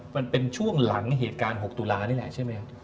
มันเป็นช่วงหลังเหตุการณ์๖ตุลานี่แหละใช่ไหมครับ